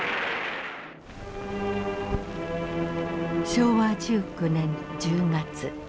昭和１９年１０月。